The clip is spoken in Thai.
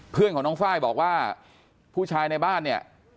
เพื่อนของน้องไฟล์บอกว่าผู้ชายในบ้านเนี่ย